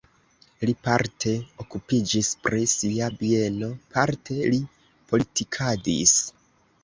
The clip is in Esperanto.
Li parte okupiĝis pri sia bieno, parte li politikadis.